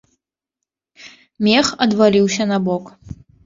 Мех адваліўся на бок.